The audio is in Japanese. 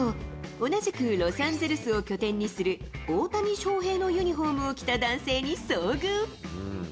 同じくロサンゼルスを拠点にする大谷翔平のユニホームを着た男性